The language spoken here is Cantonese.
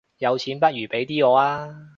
有錢不如俾啲我吖